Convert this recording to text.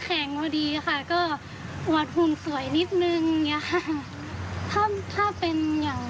แขกกูดีค่ะก็ทุมสวยนิดหนึ่งเงินชนะฮะถ้าเป็นอย่าง